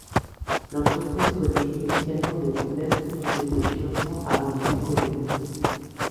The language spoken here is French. L'entreprise connaît initialement des problèmes pour trouver des financements avant de décoller.